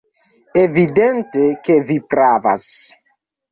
Evidente, ke vi pravas!